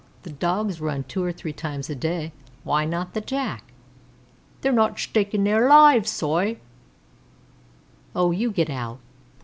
The Dogs run two or three times a day; why not the Jack?" "They're not shtakin' thayre loives, sor." "Oh, you get out."